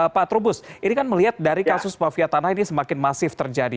pak trubus ini kan melihat dari kasus mafia tanah ini semakin masif terjadi